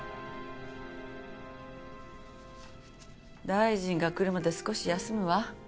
大臣が来るまで少し休むわ。